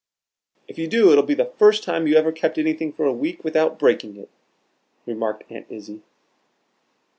"If you do, it'll be the first time you ever kept anything for a week without breaking it," remarked Aunt Izzie.